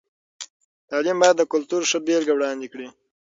تعلیم باید د کلتور ښه بېلګه وړاندې کړي.